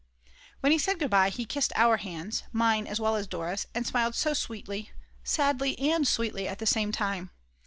When he said goodbye he kissed our hands, mine as well as Dora's, and smiled so sweetly, sadly and sweetly at the same time.